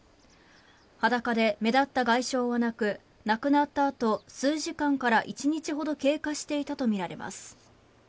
裸で目立った外傷はなく生後数時間から１日ほど経過していたとみられます。